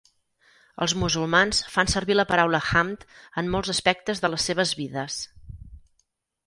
Els musulmans fan servir la paraula "Hamd" en molts aspectes de les seves vides.